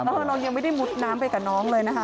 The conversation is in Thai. เรายังไม่ได้มุดน้ำไปกับน้องเลยนะคะ